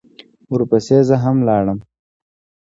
ورپسې زه هم لاړم.